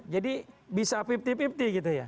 jadi bisa pipti pipti gitu ya